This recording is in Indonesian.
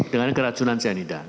dengan keracunan cyanida